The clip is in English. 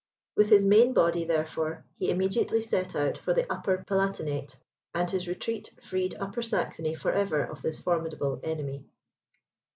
With his main body, therefore, he immediately set out for the Upper Palatinate, and his retreat freed Upper Saxony for ever of this formidable enemy.